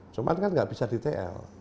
cuma kan nggak bisa di tl